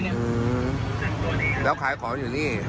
อืมแล้วขายของอยู่นี่